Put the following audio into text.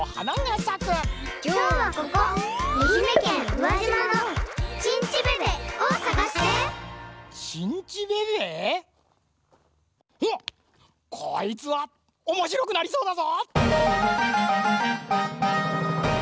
こいつはおもしろくなりそうだぞ！